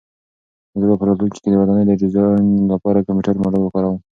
زه به په راتلونکي کې د ودانۍ د ډیزاین لپاره کمپیوټري ماډل وکاروم.